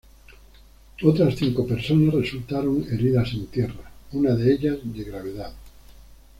Otras cinco personas resultaron heridas en tierra, una de ellas de gravedad.